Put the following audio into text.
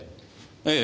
ええ。